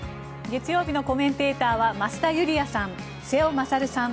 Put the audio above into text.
月曜日のコメンテーターは増田ユリヤさん、瀬尾傑さん。